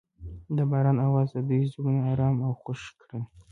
د باران اواز د دوی زړونه ارامه او خوښ کړل.